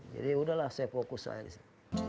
jadi udahlah saya fokus aja disitu